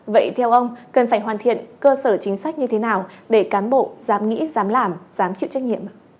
vậy theo ông cần phải hoàn thiện cơ sở chính sách như thế nào để cán bộ dám nghĩ dám làm dám chịu trách nhiệm